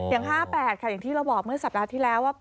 ๕๘ค่ะอย่างที่เราบอกเมื่อสัปดาห์ที่แล้วว่า